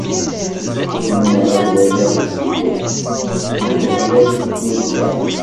Umneɣ ad waliɣ lehhu n Umeɣlal di ddunit-a.